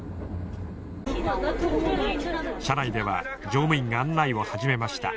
車内では乗務員が案内を始めました。